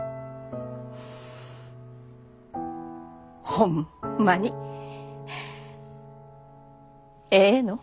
ホンマにええの？